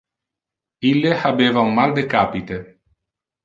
Ille habeva un mal de capite.